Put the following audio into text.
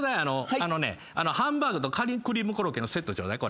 あのねハンバーグとカニクリームコロッケのセットちょうだい。